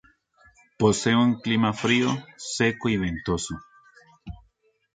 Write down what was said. Posee un clima frío, seco y ventoso.